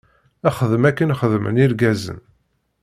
Xdem akken xeddmen irgazen.